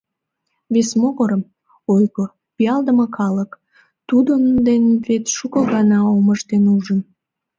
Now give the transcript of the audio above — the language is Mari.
Вес могырым: ойго, пиалдыме калык — тудым вет шуко гана омыж дене ужын.